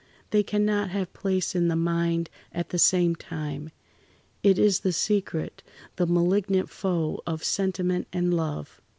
They cannot have place in the mind at the same time. It is the secret, the malignant foe of sentiment and love."